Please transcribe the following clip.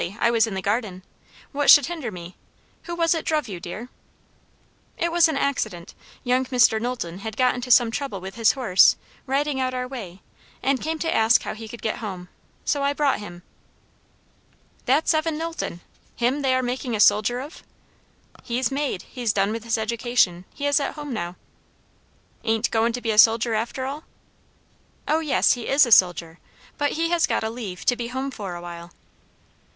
I was in the garden. What should hinder me? Who was it druv you, dear?" "It was an accident. Young Mr. Knowlton had got into some trouble with his horse, riding out our way, and came to ask how he could get home. So I brought him." "That's Evan Knowlton! him they are making a soldier of?" "He's made. He's done with his education. He is at home now." "Ain't goin' to be a soldier after all?" "O yes; he is a soldier; but he has got a leave, to be home for awhile."